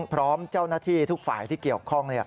พร้อมเจ้าหน้าที่ทุกฝ่ายที่เกี่ยวข้อง